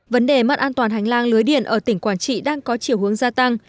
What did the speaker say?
vấn đề mất an toàn hành lang lưới điện ở tỉnh quảng trị đang có chiều hướng gia tăng